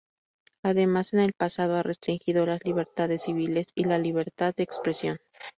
Además, en el pasado ha restringido las libertades civiles y la libertad de expresión.